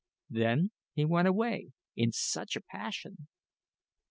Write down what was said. Then he went away in such a passion.